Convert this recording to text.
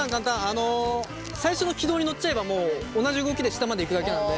あの最初の軌道に乗っちゃえばもう同じ動きで下までいくだけなので。